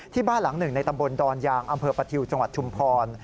บ้านหลังหนึ่งในตำบลดอนยางอำเภอประทิวจังหวัดชุมพร